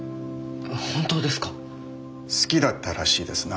本当ですか⁉好きだったらしいですな